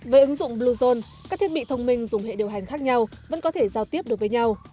với ứng dụng bluezone các thiết bị thông minh dùng hệ điều hành khác nhau vẫn có thể giao tiếp được với nhau